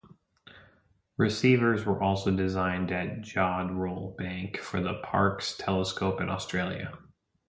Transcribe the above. Receivers were also designed at Jodrell Bank for the Parkes Telescope in Australia.